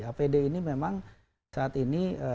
apd ini memang saat ini